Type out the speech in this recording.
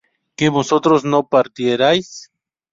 ¿que vosotros no partierais?